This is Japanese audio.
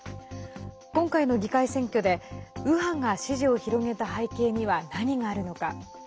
今回の議会選挙で右派が支持を広げた背景には何があるのか。